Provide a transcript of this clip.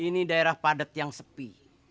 ini daerah padat yang sepi